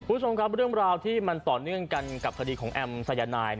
คุณผู้ชมครับเรื่องราวที่มันต่อเนื่องกันกับคดีของแอมสายนาย